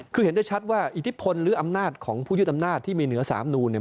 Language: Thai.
คือเห็นได้ชัดว่าอิทธิพลหรืออำนาจของผู้ยึดอำนาจที่มีเหนือสามนูนเนี่ย